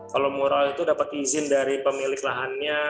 kalau mural itu dapat izin dari pemilik lahannya